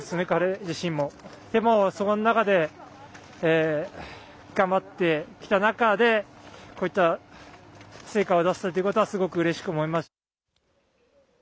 彼自身もでもその中で頑張ってきた中でこういった成果を出せたということはうれしく思います。